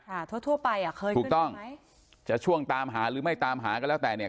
ค่ะทั่วทั่วไปอ่ะเคยถูกต้องไหมจะช่วงตามหาหรือไม่ตามหาก็แล้วแต่เนี้ย